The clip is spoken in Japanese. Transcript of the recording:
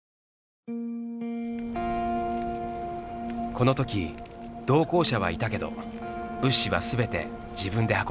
このとき同行者はいたけど物資はすべて自分で運んだ。